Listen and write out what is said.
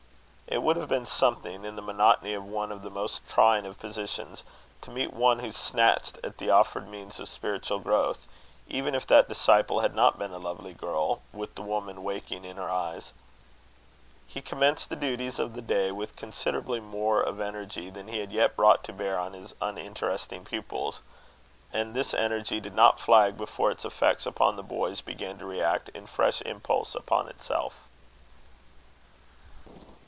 It would have been something, in the monotony of one of the most trying of positions, to meet one who snatched at the offered means of spiritual growth, even if that disciple had not been a lovely girl, with the woman waking in her eyes. He commenced the duties of the day with considerably more of energy than he had yet brought to bear on his uninteresting pupils; and this energy did not flag before its effects upon the boys began to react in fresh impulse upon itself.